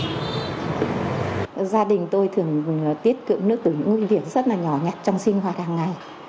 gia đình tôi thường tiết kiệm nước từ nguyên liệu rất là nhỏ nhặt trong sinh hoạt hàng ngày